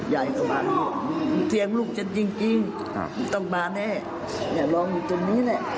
ยายก็มาเสียงลูกจนจริงต้องมาแน่อย่าลองอยู่ตรงนี้แหละ